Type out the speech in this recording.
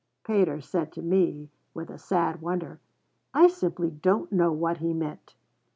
Pater said to me, with a sad wonder, 'I simply don't know what he meant.'